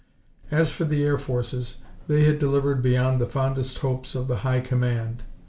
As for the air forces, they had delivered beyond the fondest hopes of the high command.